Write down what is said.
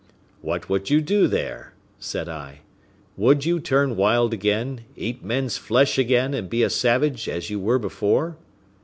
"What would you do there?" said I. "Would you turn wild again, eat men's flesh again, and be a savage as you were before?"